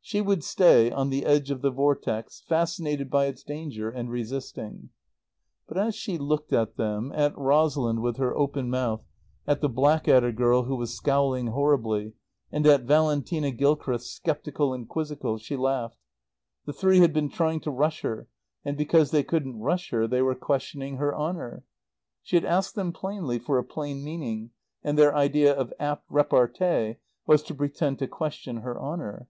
She would stay, on the edge of the vortex, fascinated by its danger, and resisting. But as she looked at them, at Rosalind with her open mouth, at the Blackadder girl who was scowling horribly, and at Valentina Gilchrist, sceptical and quizzical, she laughed. The three had been trying to rush her, and because they couldn't rush her they were questioning her honour. She had asked them plainly for a plain meaning, and their idea of apt repartee was to pretend to question her honour.